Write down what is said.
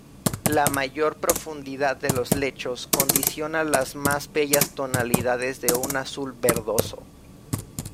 La mayor profundidad de los lechos condiciona las más bellas tonalidades de un azul-verdoso.